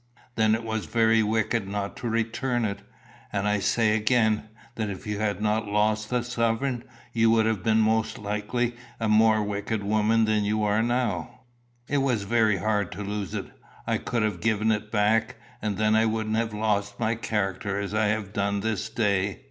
"Then it was very wicked not to return it. And I say again, that if you had not lost the sovereign you would have been most likely a more wicked woman than you are." "It was very hard to lose it. I could have given it back. And then I wouldn't have lost my character as I have done this day."